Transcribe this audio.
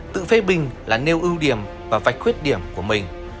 tự phê bình là nêu ưu điểm và vạch khuyết điểm của mình